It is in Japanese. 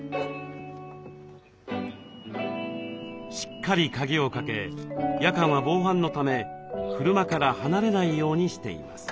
しっかり鍵をかけ夜間は防犯のため車から離れないようにしています。